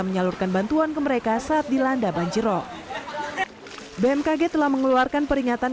menyalurkan bantuan ke mereka saat dilanda banjirop bmkg telah mengeluarkan peringatan